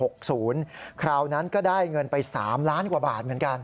คราวนั้นก็ได้เงินไป๓ล้านกว่าบาทเหมือนกัน